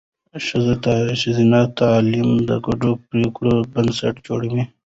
ښځینه تعلیم د ګډو پرېکړو بنسټ جوړوي.